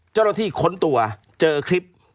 เจ้าหน้าที่ขนตัวเจอคลิป